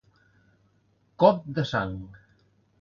Cop de sang.